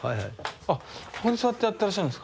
あっここに座ってやってらっしゃるんすか。